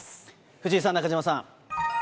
藤井さん、中島さん。